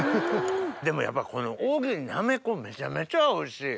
でもやっぱこの大きいなめこめちゃめちゃおいしい！